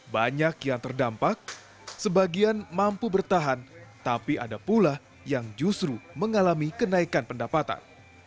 banyak yang terdampak sebagian mampu bertahan tapi ada pula yang justru mengalami kenaikan pendapatan